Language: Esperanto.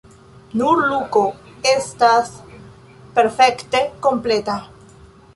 Nur Luko estas perfekte kompleta.